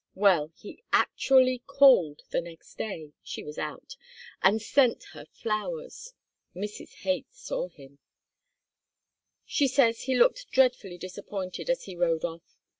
Well, he actually called the next day she was out and sent her flowers. Mrs. Haight saw him. She says he looked dreadfully disappointed as he rode off.